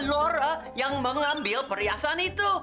lora yang mengambil perhiasan itu